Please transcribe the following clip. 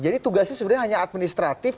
jadi tugasnya sebenarnya hanya administratif